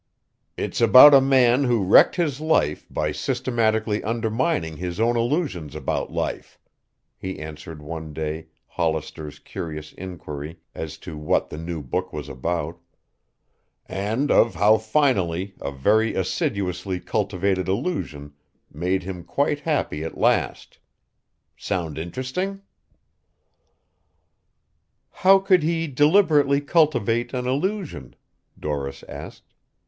"It's about a man who wrecked his life by systematically undermining his own illusions about life," he answered one day Hollister's curious inquiry as to what the new book was about, "and of how finally a very assiduously cultivated illusion made him quite happy at last. Sound interesting?" "How could he deliberately cultivate an illusion?" Doris asked.